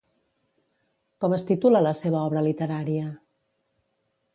Com es titula la seva obra literària?